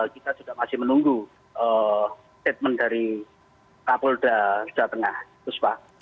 kita juga masih menunggu statement dari kapolda jatengah puspa